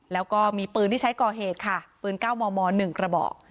แล้วก็มีปืนที่ใช้ก่อเหตุค่ะปืน๙มม๑กระบอก